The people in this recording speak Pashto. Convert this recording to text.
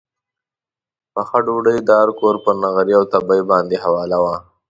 پخه ډوډۍ یې د هر کور پر نغري او تبۍ باندې حواله وه.